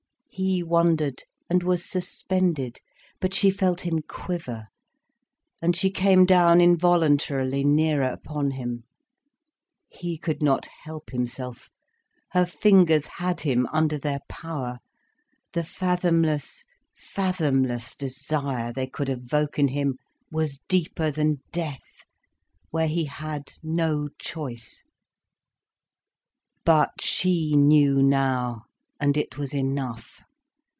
He wondered, and was suspended. But she felt him quiver, and she came down involuntarily nearer upon him. He could not help himself. Her fingers had him under their power. The fathomless, fathomless desire they could evoke in him was deeper than death, where he had no choice. But she knew now, and it was enough.